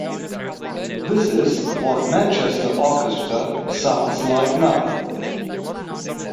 This is what Manchester Orchestra sounds like now.